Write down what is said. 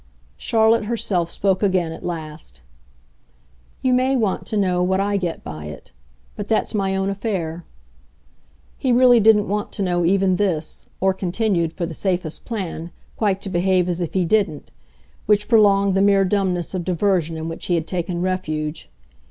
Charlotte herself spoke again at last "You may want to know what I get by it. But that's my own affair." He really didn't want to know even this or continued, for the safest plan, quite to behave as if he didn't; which prolonged the mere dumbness of diversion in which he had taken refuge.